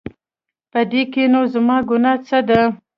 په دې کې نو زما ګناه څه ده؟